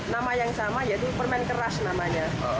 nama yang sama yaitu permen keras namanya